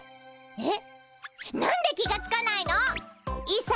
えっ？